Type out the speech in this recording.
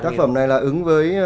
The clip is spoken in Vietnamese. các phẩm này là ứng với